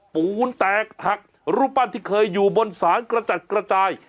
ปูนแตกหักรูปปั้นที่เคยอยู่บนศาลกระจัดกระจาย